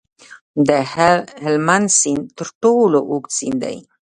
د هلمند سیند تر ټولو اوږد سیند دی